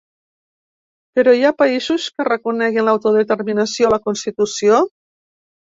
Però hi ha països que reconeguin l’autodeterminació a la constitució?